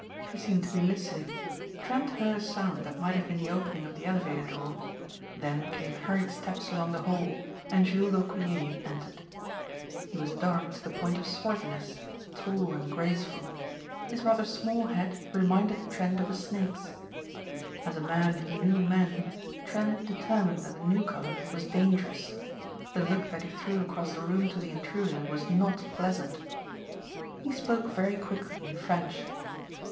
She seemed to be listening. Trent heard a sound that might have been the opening of the elevator door. Then came hurried steps along the hall and Jules d'Aucquier entered. He was dark to the point of swarthiness, tall and graceful. His rather small head reminded Trent of a snake's. As a man who knew men Trent determined that the newcomer was dangerous. The look that he threw across the room to the intruder was not pleasant. He spoke very quickly in French.